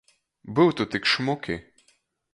Byutu tik šmuki!